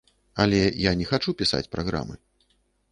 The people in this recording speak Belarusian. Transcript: Але я не хачу пісаць праграмы.